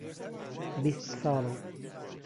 بیست ساڵم.